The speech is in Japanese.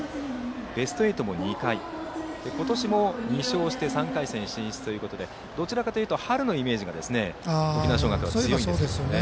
ベスト８も２回で今年も２勝して３回戦進出ということでどちらかと言うと春のイメージが沖縄尚学は強いんですね。